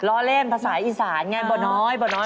ล้อเล่นภาษาอีสานไงบ่อน้อย